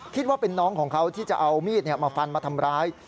คิดว่าเป็นน้องของเขาที่จะเอามีดมาฟันมาทำร้าย